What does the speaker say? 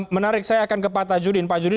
menarik saya akan ke pak tajudin